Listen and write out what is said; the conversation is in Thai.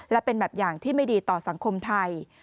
และเป็นแบบอย่างที่ไม่ดีต่อสังคมไทย